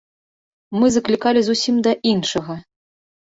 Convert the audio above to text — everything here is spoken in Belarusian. Мы заклікалі зусім да іншага.